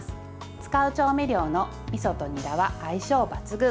使う調味料のみそとにらは相性抜群。